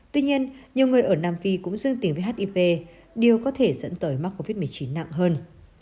tuy nhiên nhiều người ở nam phi cũng dương tính với hiv điều có thể dẫn tới mắc covid một mươi chín nặng hơn